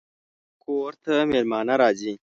کور ته مېلمانه راځي